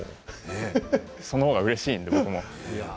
その方がうれしいので僕も。